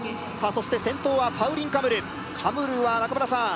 そして先頭はパウリン・カムルカムルは中村さん